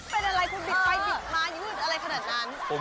เป็นอะไรคุณบิดไปบิดมายืดอะไรขนาดนั้น